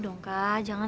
bukan lo bernioga kan